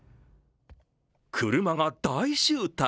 車が大渋滞。